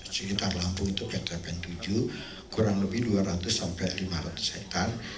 sekitar lampu itu ptm tujuh kurang lebih dua ratus sampai lima ratus hektare